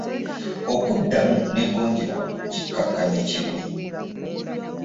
Okuddamu ne gonjebwa kikakanya ekiruyi.